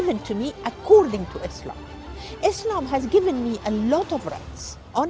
saya ingin segalanya yang diberikan kepada saya menurut islam